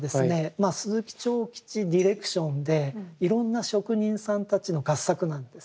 まあ鈴木長吉ディレクションでいろんな職人さんたちの合作なんです。